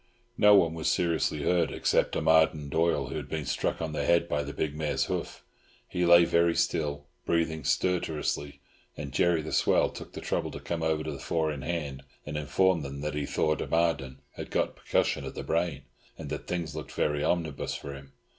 No one was seriously hurt, except "Omadhaun" Doyle, who had been struck on the head by the big mare's hoof. He lay very still, breathing stertorously, and Jerry the Swell took the trouble to come over to the four in hand, and inform them that he thought "Omadhaun" had got percussion of the brain, and that things looked very "omnibus" for him.